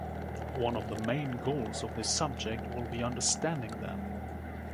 One of the main goals of this subject will be understanding them.